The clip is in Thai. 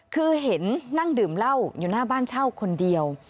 คือเห็นนั่งดื่มเหล้าอยู่หน้าบ้านเช่าคนเดียว